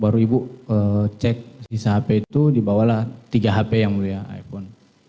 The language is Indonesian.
baru ibu cek sisa hp itu dibawalah tiga hp yang mulia iphone